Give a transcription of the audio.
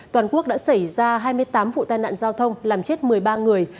toàn quốc đã xảy ra hai mươi tám vụ tai nạn giao thông làm chết một mươi ba người